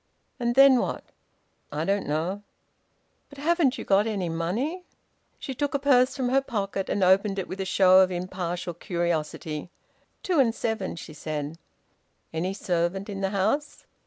"And then what?" "I don't know." "But haven't you got any money?" She took a purse from her pocket, and opened it with a show of impartial curiosity. "Two and seven," she said. "Any servant in the house?"